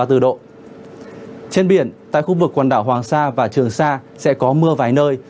trên biển tại khu vực quần đảo hoàng sa và trường sa sẽ có mưa vài nơi